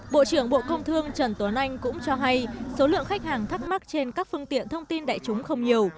bộ trưởng bộ công thương trần tuấn anh cũng cho hay số lượng khách hàng thắc mắc trên các phương tiện thông tin đại chúng không nhiều